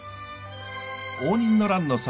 応仁の乱の際